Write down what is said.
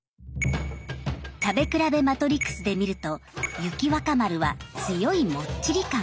食べ比べマトリクスで見ると雪若丸は強いもっちり感